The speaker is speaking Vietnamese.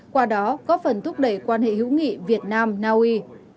qua đó có phần thúc đẩy quan hệ hữu nghị việt nam naui